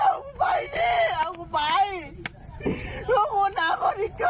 ขอไปดีขอแก้แล้ว